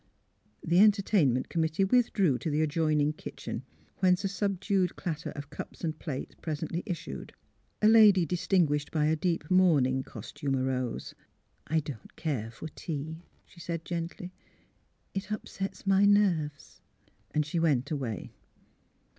The entertainment committee withdrew to the adjoining kitchen, whence a subdued clatter of cups and plates presently issued. A lady distinguished by a deep mourning cos tume arose. '' I don't care for tea," she said, gently. *' It upsets my nerves." And she went away.